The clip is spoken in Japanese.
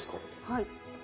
はい。